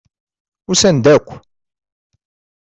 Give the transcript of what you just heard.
Usan-d akk.